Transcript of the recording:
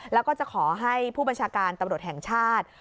แล้วก็จะขอให้ผู้บัญชาการตำรวจแห่งชาติ